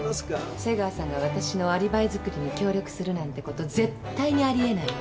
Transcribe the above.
瀬川さんがわたしのアリバイ作りに協力するなんてこと絶対にあり得ないわ。